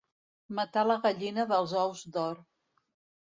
Matar la gallina dels ous d'or.